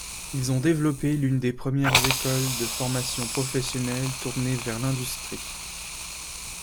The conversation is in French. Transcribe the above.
Ils ont développé l'une des premières écoles de formation professionnelle tournées vers l'Industrie.